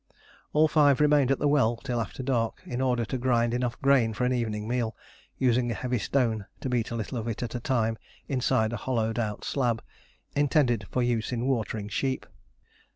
All five remained at the well till after dark in order to grind enough grain for an evening meal, using a heavy stone to beat a little of it at a time inside a hollowed out slab, intended for use in watering sheep.